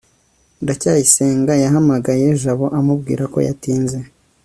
ndacyayisenga yahamagaye jabo amubwira ko yatinze